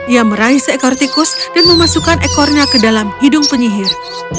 ia meraih seekor tikus dan memasukkan ekornya ke dalam hidung penyihir